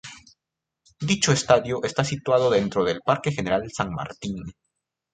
Dicho estadio está situado dentro del Parque General San Martín.